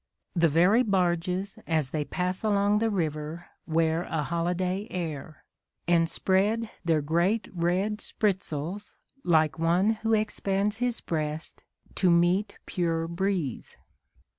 The very barges as they pass along the river wear a holiday air, and spread their great red sprit sails like one who expands his breast to meet pure breeze.